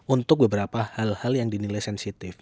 untuk beberapa hal hal yang dinilai sensitif